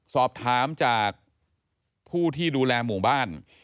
สอบถามจากผู้ที่ดูแลหมู่บ้าน